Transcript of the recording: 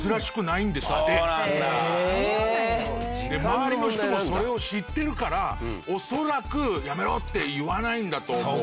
周りの人もそれを知ってるから恐らくやめろって言わないんだと思う。